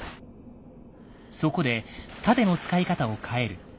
そこで盾の使い方を変える。